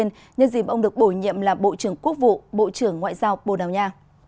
nhưng nhân dịp ông được bổ nhiệm làm bộ trưởng quốc vụ bộ trưởng ngoại giao bồ đào nha